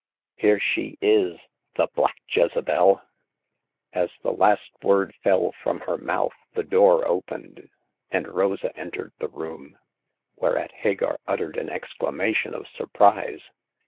Here she is— the black Jezebel !" As the last word fell from her mouth the door opened, and Rosa entered the room, whereat Hagar uttered an exclamation of surprise.